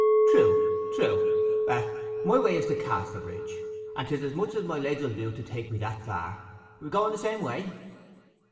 'True, true. Well, my way is to Casterbridge; and 'tis as much as my legs will do to take me that far. Going the same way?